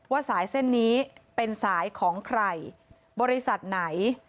สายเส้นนี้เป็นสายของใครบริษัทไหน